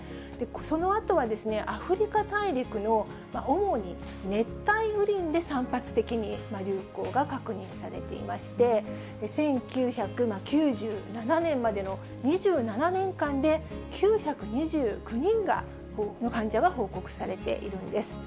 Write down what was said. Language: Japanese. そのあとはアフリカ大陸の主に熱帯雨林で散発的に流行が確認されていまして、１９９７年までの２７年間で９２９人の患者が報告されているんです。